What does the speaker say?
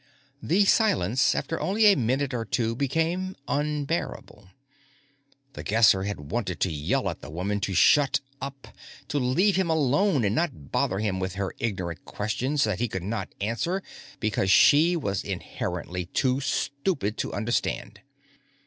The silence, after only a minute or two, became unbearable. The Guesser had wanted to yell at the woman to shut up, to leave him alone and not bother him with her ignorant questions that he could not answer because she was inherently too stupid to understand.